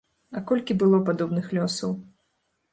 А колькі было падобных лёсаў?